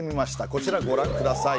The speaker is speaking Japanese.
こちらご覧ください。